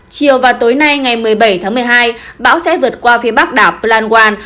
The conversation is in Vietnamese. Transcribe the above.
chiều và tối nay ngày một mươi bảy tháng một mươi hai bão sẽ vượt qua phía bắc đảo planwan